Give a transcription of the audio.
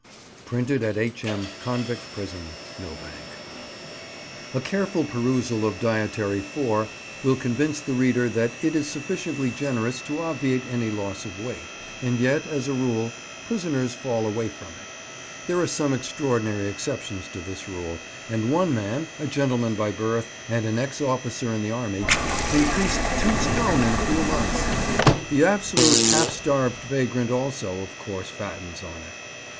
Printed at H.M. Convict Prison, Millbank. A careful perusal of Dietary 4 will convince the reader that it is sufficiently generous to obviate any loss of weight, and yet, as a rule, prisoners fall away on it, (There are some extraordinary exceptions to this rule, and one man, a gentleman by birth, and an ex officer in the army, increased two stone in a few months; the absolute half starved vagrant also, of course, fattens on it.)